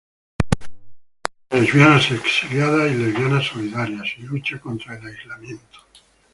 Reúne lesbianas exiliadas y lesbianas solidarias, y lucha contra el aislamiento.